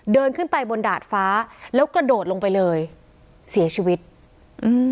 เดินขึ้นไปบนดาดฟ้าแล้วกระโดดลงไปเลยเสียชีวิตอืม